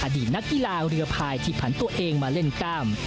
อดีตนักกีฬาเรือพายที่ผันตัวเองมาเล่นกล้าม